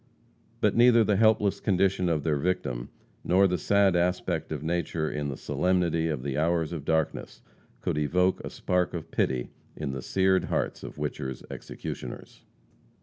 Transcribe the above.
But neither the helpless condition of their victim, nor the sad aspect of nature in the solemnity of the hours of darkness could evoke a spark of pity in the sered hearts of Whicher's executioners.